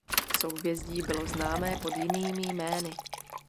Souhvězdí bylo známé pod jinými jmény.